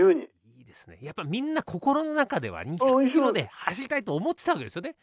いいですねやっぱみんな心の中では２００キロで走りたいと思ってたわけですよね。